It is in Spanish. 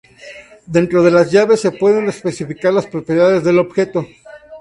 Dentro de las llaves se pueden especificar las propiedades del objeto.